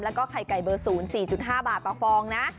แล้วก็ไข่ไก่เบอร์๐๔๕บาทต่อฟองนะ